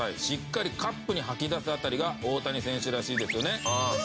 しっかりカップに吐き出す辺りが大谷選手らしいですよね。